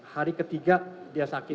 hari ketiga dia sakit